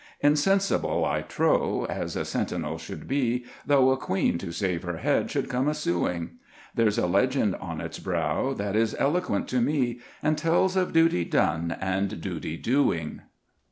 Insensible, I trow, As a sentinel should be, Though a queen to save her head should come a suing; There's a legend on its brow That is eloquent to me, And it tells of duty done and duty doing.